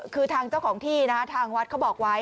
คือทางเจ้าของที่นะฮะทางวัดเขาบอกไว้